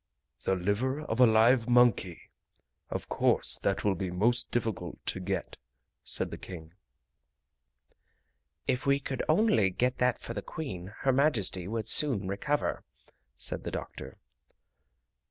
"The liver of a live monkey! Of course that will be most difficult to get," said the King. "If we could only get that for the Queen, Her Majesty would soon recover," said the doctor.